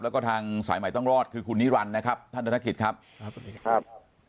แล้วก็ทางสายใหม่ต้องรอดคือคุณนิรันดิ์นะครับท่านธนกิจครับครับสวัสดีครับ